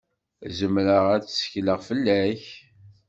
Zemreɣ ad tekkleɣ fell-ak?